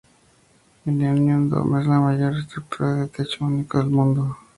El Millennium Dome es la mayor estructura de techo único del mundo.